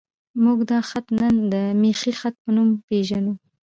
موږ دا خط نن د میخي خط په نوم پېژنو.